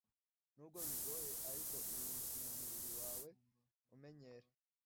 Nubwo bigoye ariko ibi bituma umubiri wawe umenyera